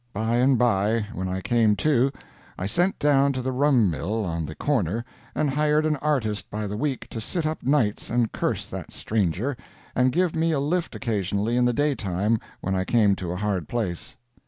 By and by, when I came to, I sent down to the rum mill on the corner and hired an artist by the week to sit up nights and curse that stranger, and give me a lift occasionally in the daytime when I came to a hard place.